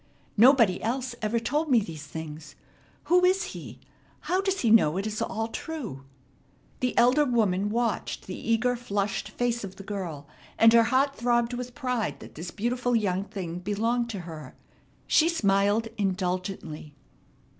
Nobody else ever told me these things. Who is he? How does he know it is all true?" The elder woman watched the eager, flushed face of the girl; and her heart throbbed with pride that this beautiful young thing belonged to her. She smiled indulgently.